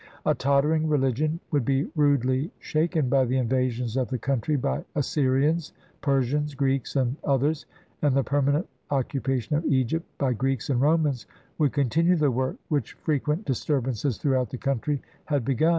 A tottering religion would be rudely shaken by the invasions of the country by Assyrians, Persians, Greeks, and others, and the permanent occupation of Egypt by Greeks and Romans would continue the work which frequent disturbances throughout the country had be gun.